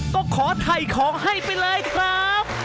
ก็ขอถ่ายของให้ไปเลยครับ